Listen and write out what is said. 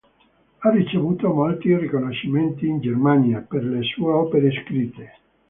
Ha ricevuto molti riconoscimenti in Germania per le sue opere scritte.